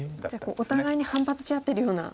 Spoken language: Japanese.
お互いに反発し合ってるような。